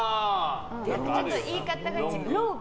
ちょっと言い方が。ローブ？